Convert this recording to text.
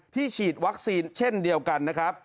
ฉีดวัคซีนเช่นเดียวกันนะครับ